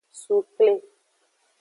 Sukle.